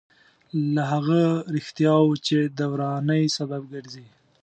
له هغه رښتیاوو چې د ورانۍ سبب ګرځي.